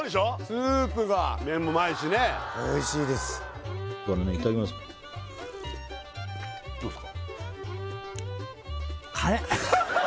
スープが麺もうまいしねおいしいですいただきますどうっすか？